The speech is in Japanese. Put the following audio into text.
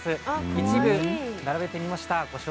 一部、並べてみました。